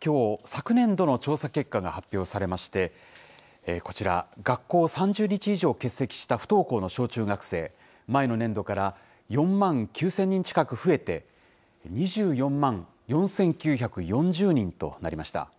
きょう、昨年度の調査結果が発表されまして、こちら、学校を３０日以上欠席した不登校の小中学生、前の年度から４万９０００人近く増えて、２４万４９４０人となりました。